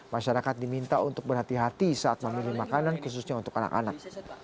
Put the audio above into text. masyarakat diminta untuk berhati hati saat memilih makanan khususnya untuk anak anak